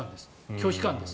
拒否感です。